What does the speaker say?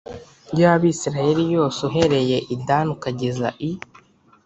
Y abisirayeli yose uhereye i dani ukageza i